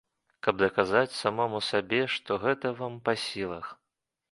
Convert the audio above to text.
Каб даказаць самому сабе, што гэта вам па сілах?